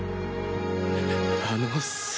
あのさ。